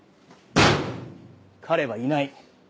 彼はいない。